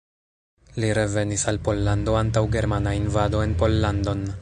Li revenis al Pollando antaŭ germana invado en Pollandon.